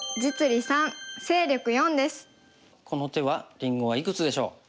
この手はりんごはいくつでしょう？